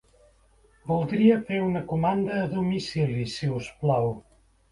Voldria fer una comanda a domicili, si us plau.